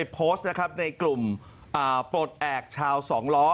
โพสต์ในกลุ่มโปรดแอกชาวสองล้อ